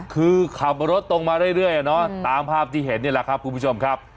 คือขับรถตรงมาเรื่อยตามภาพที่เห็นนี่แหละครับคุณผู้ชมครับ